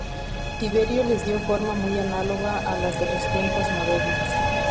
Tiberio les dio forma muy análoga a las de los tiempos modernos.